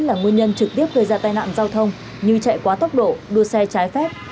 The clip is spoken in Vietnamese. là nguyên nhân trực tiếp gây ra tai nạn giao thông như chạy quá tốc độ đua xe trái phép